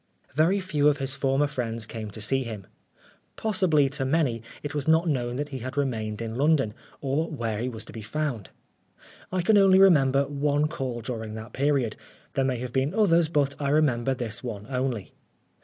Very few of his former friends came to see him. Possibly, to many it was not known that he had remained in London, or where he was to be found. I can only remember one call during that period. There may have been others, but I re member this one only.